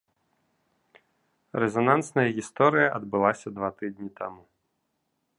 Рэзанансная гісторыя адбылася два тыдні таму.